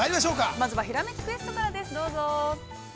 ◆まずは「ひらめきクエスト」からです、どうぞ。